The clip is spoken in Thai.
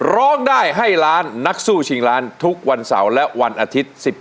ร้องได้ให้ล้านนักสู้ชิงล้านทุกวันเสาร์และวันอาทิตย์